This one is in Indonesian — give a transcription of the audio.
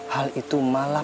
hal itu malah